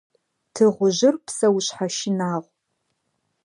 Тыгъужъыр псэушъхьэ щынагъу.